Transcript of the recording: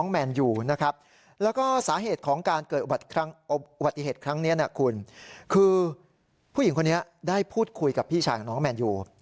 คือผู้หญิงคนนี้ได้พูดคุยกับพี่ชายของน้องแมนยู